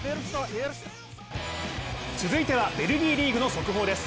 続いてはベルギーリーグの速報です。